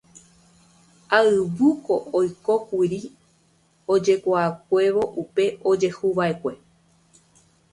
Ayvúko oikókuri ojekuaakuévo upe ojehuvaʼekue.